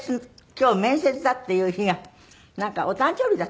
今日面接だっていう日がなんかお誕生日だったの？